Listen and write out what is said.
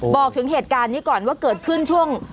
บอกถึงเหตุการณ์นี้ก่อนว่าเกิดขึ้นช่วง